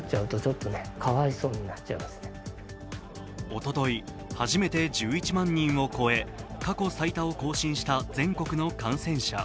おととい、初めて１１万人を超え過去最多を更新した全国の感染者。